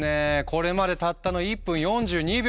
これまでたったの１分４２秒。